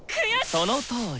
そのとおり。